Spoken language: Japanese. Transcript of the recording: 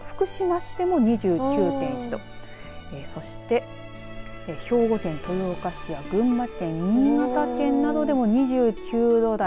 そのほか福島市でも２９．１度そして兵庫県豊岡市で群馬県、新潟県などでも２９度台。